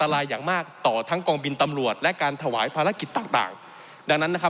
เพราะมันก็มีเท่านี้นะเพราะมันก็มีเท่านี้นะ